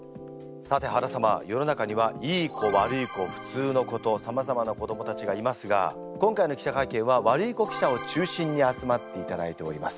さて原様世の中にはいい子悪い子普通の子とさまざまな子どもたちがいますが今回の記者会見はワルイコ記者を中心に集まっていただいております。